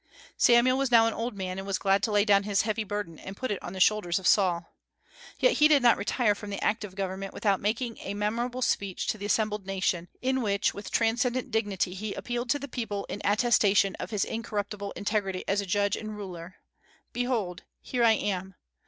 Samuel was now an old man, and was glad to lay down his heavy burden and put it on the shoulders of Saul. Yet he did not retire from the active government without making a memorable speech to the assembled nation, in which with transcendent dignity he appealed to the people in attestation of his incorruptible integrity as a judge and ruler. "Behold, here I am!